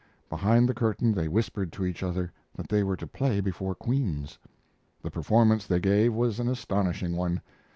Behind the curtain they whispered to each other that they were to play before queens. The performance they gave was an astonishing one.